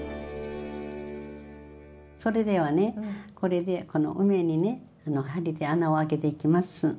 それではねこの梅にね針で穴を開けていきます。